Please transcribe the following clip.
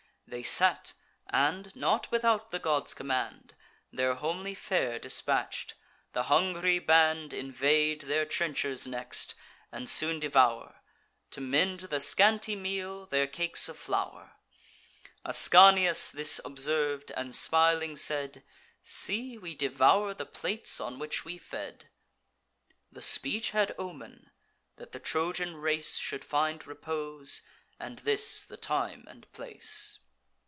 They sate; and, (not without the god's command,) Their homely fare dispatch'd, the hungry band Invade their trenchers next, and soon devour, To mend the scanty meal, their cakes of flour. Ascanius this observ'd, and smiling said: "See, we devour the plates on which we fed." The speech had omen, that the Trojan race Should find repose, and this the time and place.